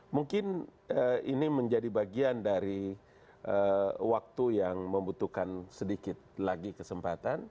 mungkin ini menjadi bagian dari waktu yang membutuhkan sedikit lagi kesempatan